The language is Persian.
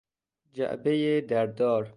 جعبهی در دار